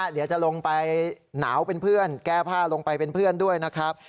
เดี๋ยวจะลงไปหนาวเป็นเพื่อนแก้ผ้าลงไปเป็นเพื่อนด้วยนะครับ